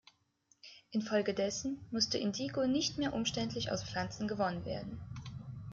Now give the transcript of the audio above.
Infolgedessen musste Indigo nicht mehr umständlich aus Pflanzen gewonnen werden.